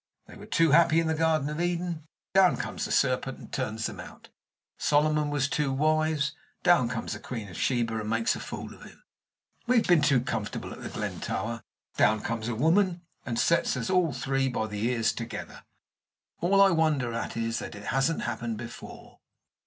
They were too happy in the garden of Eden down comes the serpent and turns them out. Solomon was too wise down comes the Queen of Sheba, and makes a fool of him. We've been too comfortable at The Glen Tower down comes a woman, and sets us all three by the ears together. All I wonder at is that it hasn't happened before."